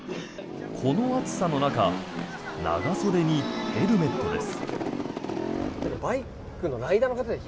この暑さの中長袖にヘルメットです。